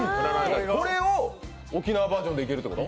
これを沖縄バージョンでいけるってこと？